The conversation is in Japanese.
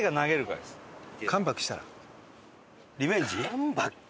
カムバック？